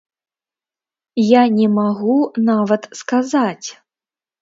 Я не магу нават сказаць.